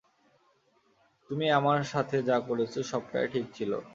তুমি আমার সাথে যা করেছ সবটাই ঠিক ছিল।